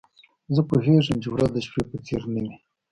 زه پوهیږم چي ورځ د شپې په څېر نه وي.